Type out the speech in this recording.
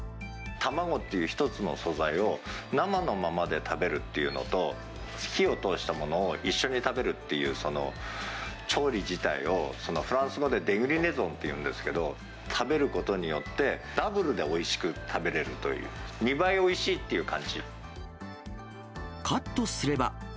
卵っていう一つの素材を、生のままで食べるっていうのと、火を通したものを一緒に食べるっていう調理自体を、フランス語でデクリネゾンっていうんですけど、食べることによって、ダブルでおいしく食べれるっていう、２倍おいしいっていう感カットすれば。